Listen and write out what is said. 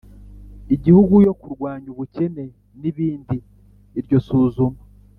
igihugu yo kurwanya ubukene n ibindi Iryo suzuma